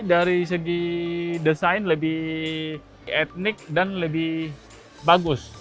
dari segi desain lebih etnik dan lebih bagus